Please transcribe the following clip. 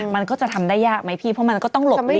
มันก็จะทำได้ยากไหมพี่เพราะมันก็ต้องหลบไปเร